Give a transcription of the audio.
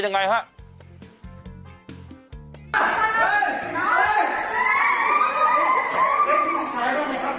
ครูกัดสบัติคร้าว